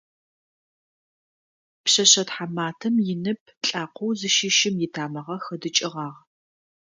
Пшъэшъэ тхьаматэм инып лӏакъоу зыщыщым итамыгъэ хэдыкӏыгъагъ.